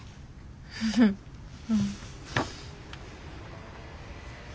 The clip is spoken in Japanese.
フフうん。